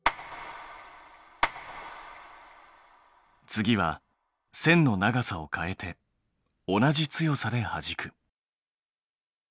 次は線の長さを変えて同じ強さではじく。